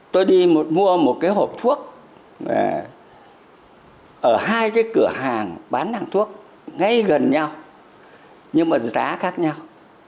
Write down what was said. tôi đi mua một cái hộp thuốc ở hai cái cửa hàng bán hàng thuốc ngay gần nhau nhưng mà giá khác nhau